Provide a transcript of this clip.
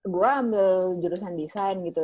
gue ambil jurusan desain gitu